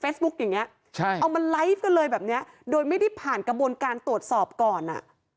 อย่างเงี้ใช่เอามาไลฟ์กันเลยแบบเนี้ยโดยไม่ได้ผ่านกระบวนการตรวจสอบก่อนอ่ะ